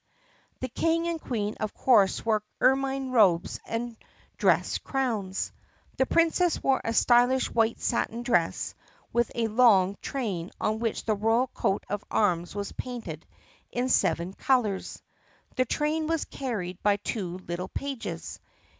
The King and Queen of course wore ermine robes and dress crowns. The Princess wore a stylish white satin dress with a long train on which the royal coat of arms was painted in seven colors. The train was carried by two little pages.